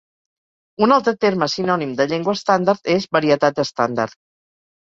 Un altre terme sinònim de llengua estàndard és varietat estàndard.